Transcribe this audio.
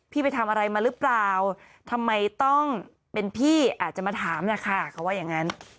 ไปทำอะไรมาหรือเปล่าทำไมต้องเป็นพี่อาจจะมาถามล่ะค่ะเขาว่าอย่างนั้น